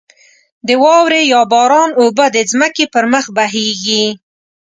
د واورې یا باران اوبه د ځمکې پر مخ بهېږې.